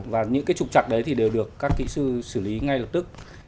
và những cái trục trặc đấy thì đều được các kỹ sư xử lý ngay lập tức